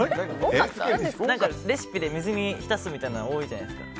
レシピで水に浸すみたいなの多いじゃないですか。